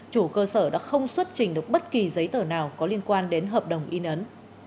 chủ cơ sở đã không xuất trình được bất kỳ giấy tờ nào có liên quan đến hợp đồng in ấn